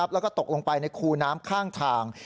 แล้วก็ตกลงไปในคูน้ำข้างทาง